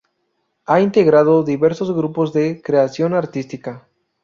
Ha integrado diversos grupos de creación artística.